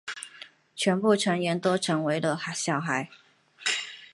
全部成员都成为了小孩。